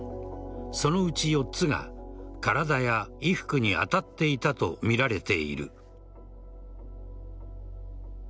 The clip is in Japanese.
そのうち４つが体や衣服に当たっていたとみられている。